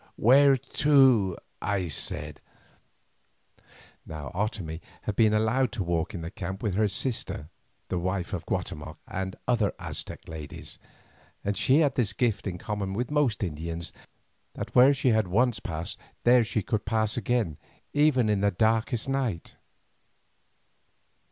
"Where to?" I said. Now Otomie had been allowed to walk in the camp with her sister, the wife of Guatemoc, and other Aztec ladies, and she had this gift in common with most Indians, that where she had once passed there she could pass again, even in the darkest night.